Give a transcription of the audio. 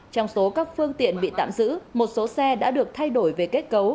trong số các phương tiện bị tạm giữ một số xe đã được thay đổi về kết cấu